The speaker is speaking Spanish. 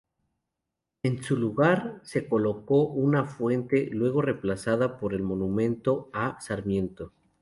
En su lugar se colocó una fuente, luego reemplazada por el monumento a Sarmiento.